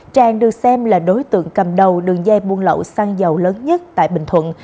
tràng được xem là đối tượng cầm đầu đường dây buôn lậu xăng dầu lớn nhất tại bình thuận